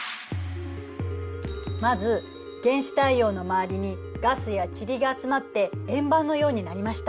まず原始太陽の周りにガスや塵が集まって円盤のようになりました。